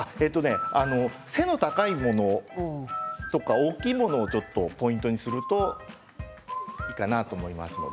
背の高いものとか大きいものをポイントにするといいかなと思います。